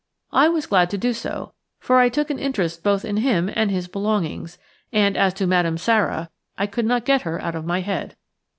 I was glad to do so, for I took an interest both in him and his belongings, and as to Madame Sara I could not get her out of my head.